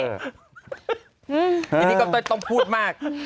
อันนี้ก็ต้องพูดมาก